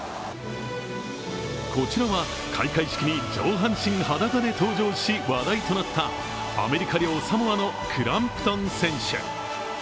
こちらは、開会式に上半身裸で登場し、話題となったアメリカ領サモアのクランプトン選手。